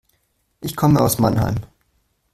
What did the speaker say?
Ich komme aus Mannheim